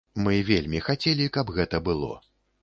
Мы вельмі хацелі, каб гэта было.